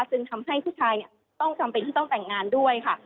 ซึ่งทำให้ผู้ชายต้องจำเป็นที่ต้องแต่งงานด้วยค่ะ